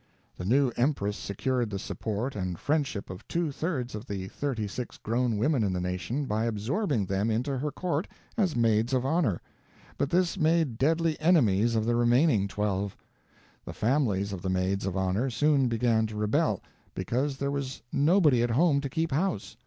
The new empress secured the support and friendship of two thirds of the thirty six grown women in the nation by absorbing them into her court as maids of honor; but this made deadly enemies of the remaining twelve. The families of the maids of honor soon began to rebel, because there was nobody at home to keep house.